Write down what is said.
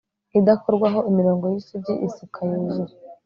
idakorwaho - imirongo yisugi isuka, yuzuye